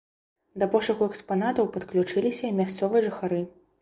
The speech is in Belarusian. Да пошуку экспанатаў падключыліся і мясцовыя жыхары.